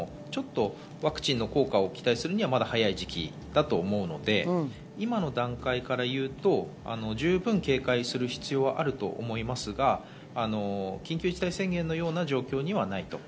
ワクチンの効果を期待するにはまだ早い時期だとは思うので、今の段階から言うと十分警戒する必要はあると思いますが、緊急事態宣言のような状況にはないと。